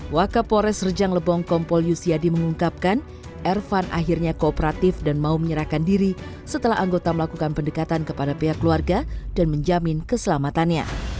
wakapolres rejang lebong kompol yusiadi mengungkapkan ervan akhirnya kooperatif dan mau menyerahkan diri setelah anggota melakukan pendekatan kepada pihak keluarga dan menjamin keselamatannya